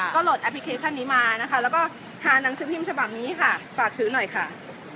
ก็โหลดแอปพลิเคชันนี้มานะคะแล้วก็หาหนังสือพิมพ์ฉบับนี้ค่ะฝากซื้อหน่อยค่ะ